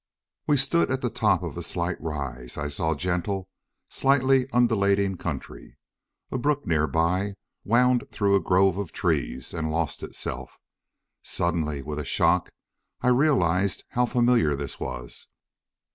We stood at the top of a slight rise. I saw gentle, slightly undulating country. A brook nearby wound through a grove of trees and lost itself. Suddenly, with a shock, I realized how familiar this was!